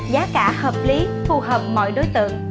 giá cả hợp lý phù hợp mọi đối tượng